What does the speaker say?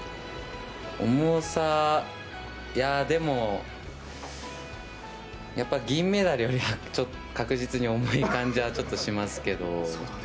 重さいや、でもやっぱり銀メダルよりは確実に重い感じはちょっとしますけど。